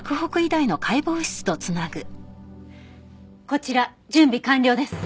こちら準備完了です。